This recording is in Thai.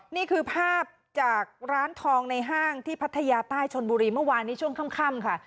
นี่คือภาพจากร้านทองในห้างที่พัทยาใต้ชนบุรีเมื่อวานนี้ช่วงค่ำค่ะ